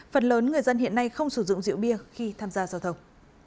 phần lớn người dân hiện nay không sử dụng rượu bia khi tham gia giao thông